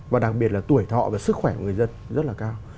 và đặc biệt là tuổi thọ và sức khỏe của người dân rất là cao